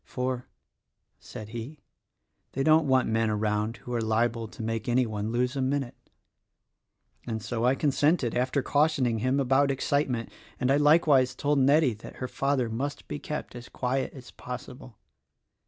'For,' said he, 'they don't want men around who are liable to make any one lose a minute.' And so, I consented — after cautioning him about excitement; and I likewise told Nettie that her father must be kept as quiet as possible.